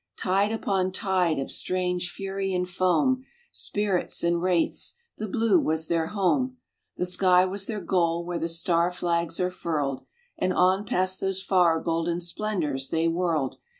Tide upon tide of strange fury and foam, Spirits and wraiths, the blue was their home, The sky was their goal where the star flags are furled, And on past those far golden splendors they whirled.